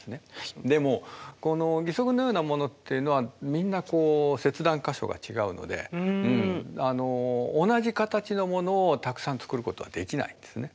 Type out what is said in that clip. でも義足のようなものっていうのはみんな切断箇所が違うので同じ形のものをたくさん作ることはできないんですね。